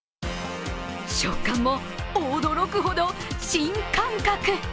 食感も驚くほど新感覚。